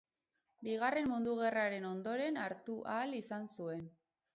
Bigarren Mundu Gerraren ondoren hartu ahal izan zuen.